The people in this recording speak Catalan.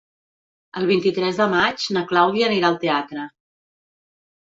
El vint-i-tres de maig na Clàudia anirà al teatre.